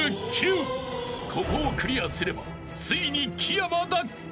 ［ここをクリアすればついに木山奪還］